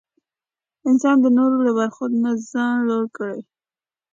انسان د نورو له برخورد نه ځان لوړ کړي.